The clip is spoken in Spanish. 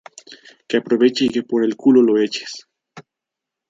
Qué aproveche y que por el culo lo eches